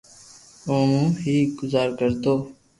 او مون ھي گزارو ڪرتو